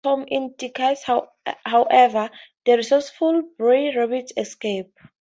As rabbits are at home in thickets, however, the resourceful Br'er Rabbit escapes.